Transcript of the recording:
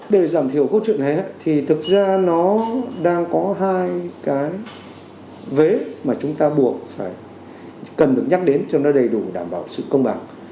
để giảm thiểu câu chuyện này thì thực ra nó đang có hai cái vế mà chúng ta buộc phải cần được nhắc đến cho nó đầy đủ đảm bảo sự công bằng